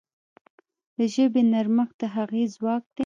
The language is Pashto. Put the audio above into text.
د ژبې نرمښت د هغې ځواک دی.